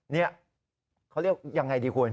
นี่เขาเรียกยังไงดีคุณ